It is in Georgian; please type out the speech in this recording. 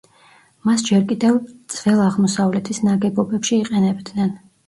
მას ჯერ კიდევ ძველ აღმოსავლეთის ნაგებობებში იყენებდნენ.